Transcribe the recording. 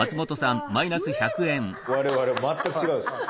我々全く違うんです。